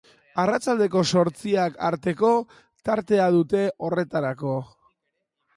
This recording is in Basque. Arratsaldeko zortziak arteko tartea dute horretarako.